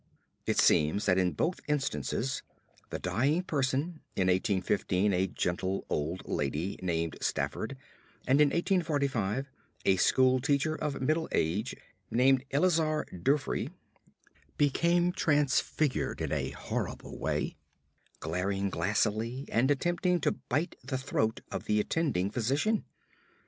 It seems that in both instances the dying person, in 1815 a gentle old lady named Stafford and in 1845 a schoolteacher of middle age named Eleazar Durfee, became transfigured in a horrible way, glaring glassily and attempting to bite the throat of the attending physician.